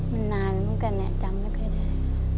มันนานเหมือนกันเนี่ยจำไม่เคยได้